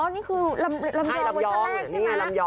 นี่คือลำยองชั้นแรกใช่มะ